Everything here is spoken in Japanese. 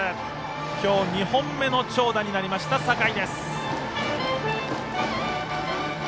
今日、２本目の長打になった酒井。